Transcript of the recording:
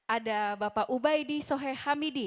ada bapak ubaidi sohe hamidi